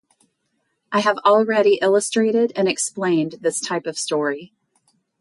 I have already illustrated and explained this type of story.